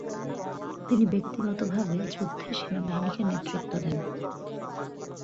তিনি ব্যক্তিগতভাবে যুদ্ধে সেনাবাহিনীকে নেতৃত্ব দেন।